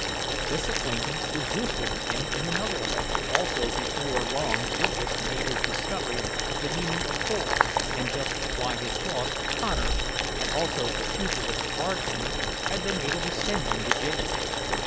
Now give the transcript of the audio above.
This acquaintance was useful to him in another way, also before long Jurgis made his discovery of the meaning of "pull," and just why his boss, Connor, and also the pugilist bartender, had been able to send him to jail.